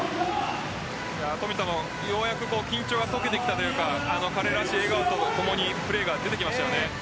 富田もようやく緊張が解けてきたというか彼らしい笑顔とともにプレーが出てきました。